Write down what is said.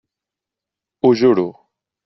Ho juro.